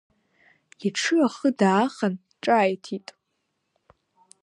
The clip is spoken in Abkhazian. Иҽы ахы даахан, ҿааиҭит…